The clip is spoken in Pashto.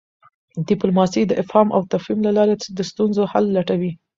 ډیپلوماسي د افهام او تفهیم له لاري د ستونزو حل لټوي.